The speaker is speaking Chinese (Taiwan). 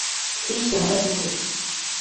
七賢二路